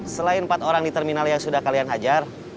selain empat orang di terminal yang sudah kalian hajar